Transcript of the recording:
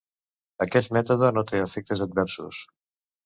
Aquest mètode no té efectes adversos.